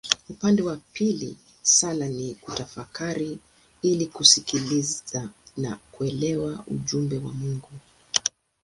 Upande wa pili sala ni kutafakari ili kusikiliza na kuelewa ujumbe wa Mungu.